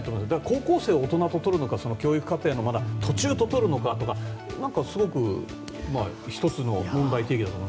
高校生を大人と取るのか教育課程のまだ途中と取るのかとかすごく１つの問題提起だと思う。